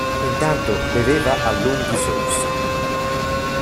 Intanto beveva a lunghi sorsi.